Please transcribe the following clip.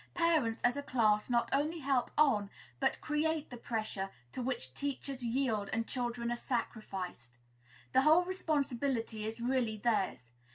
Parents, as a class, not only help on, but create the pressure to which teachers yield, and children are sacrificed. The whole responsibility is really theirs.